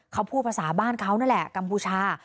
เขาพูดภาษาบ้านเขานั่นแหละกัมพูชา